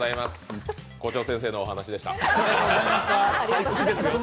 校長先生のお話でした。